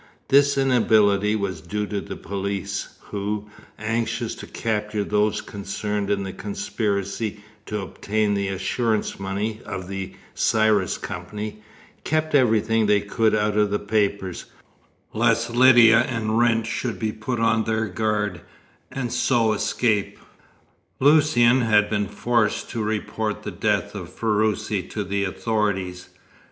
This inability was due to the police, who, anxious to capture those concerned in the conspiracy to obtain the assurance money of the Sirius Company, kept everything they could out of the papers, lest Lydia and Wrent should be put on their guard, and so escape. Lucian had been forced to report the death of Ferruci to the authorities.